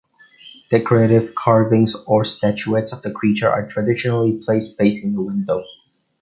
Decorative carvings or statuettes of the creature are traditionally placed facing the window.